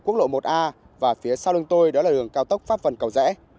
quốc lộ một a và phía sau đường tôi đó là đường cao tốc pháp vân cầu rẽ